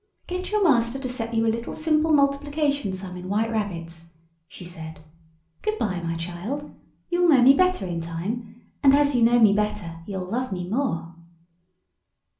"Get your Master to set you a little simple multiplication sum in white rabbits," she said. "Goodbye, my child. You'll know me better in time, and as you know me better you'll love me more."